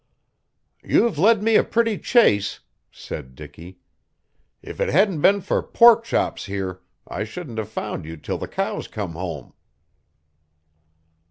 "You've led me a pretty chase," said Dicky. "If it hadn't been for Pork Chops here, I shouldn't have found you till the cows come home."